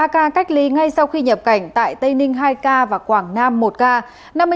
ba ca cách ly ngay sau khi nhập cảnh tại tây ninh hai ca và quảng nam một ca